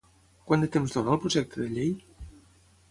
Quant de temps dona el projecte de llei?